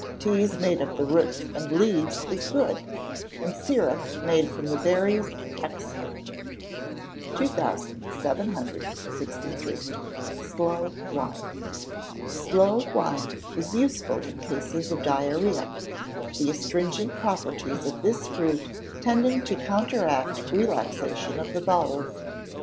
Tea made of the roots and leaves is good; and syrup made from the berries excellent. 2763. Sloe Wine. Sloe wine is useful in cases of diarrhoea, the astringent properties of this fruit tending to counteract relaxation of the bowels.